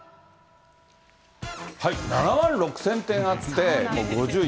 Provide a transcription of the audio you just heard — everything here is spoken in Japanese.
７万６０００点あって、５０位。